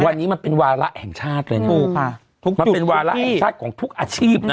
วันนี้มันเป็นวาระแห่งชาติเลยนะถูกค่ะทุกวันมันเป็นวาระแห่งชาติของทุกอาชีพนะ